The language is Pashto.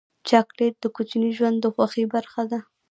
چاکلېټ د کوچني ژوند د خوښۍ برخه ده.